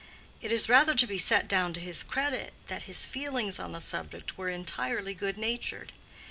It is rather to be set down to his credit that his feelings on the subject were entirely good natured.